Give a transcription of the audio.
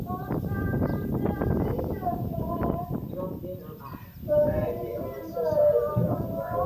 耶希图布丹生于道光十七年出自内蒙古哲里木盟索希日干村的达尔罕亲王贵族家庭。